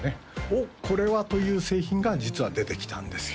「おっこれは」という製品が実は出てきたんですよ